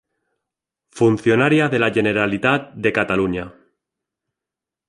Funcionaria de la Generalidad de Cataluña.